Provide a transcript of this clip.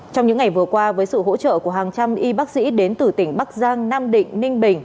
trong những ngày vừa qua với sự hỗ trợ của hàng trăm y bác sĩ đến từ tỉnh bắc giang nam định ninh bình